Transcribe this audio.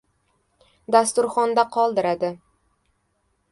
Dasturxonda qoldiradi!